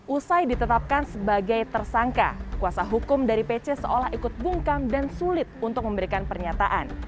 usai ditetapkan sebagai tersangka kuasa hukum dari pc seolah ikut bungkam dan sulit untuk memberikan pernyataan